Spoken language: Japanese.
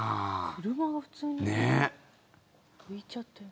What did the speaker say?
車が普通に浮いちゃってる。